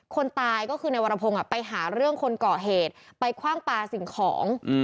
คนตายก็คือในวรพงศ์ไปหาเรื่องคนก่อเหตุไปคว่างปลาสิ่งของ